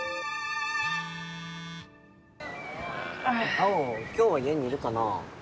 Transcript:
青今日は家にいるかな？